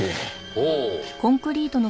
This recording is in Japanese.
ほう。